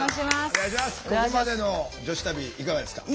ここまでの女子旅いかがですか？